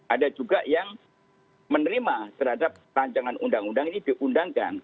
ada juga yang menerima terhadap rancangan undang undang ini diundangkan